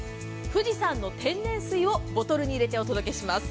富士山の天然水をボトルに入れてお届けします。